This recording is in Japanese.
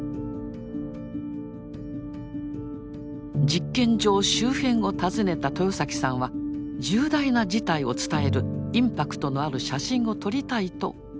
実験場周辺を訪ねた豊さんは重大な事態を伝えるインパクトのある写真を撮りたいと考えていました。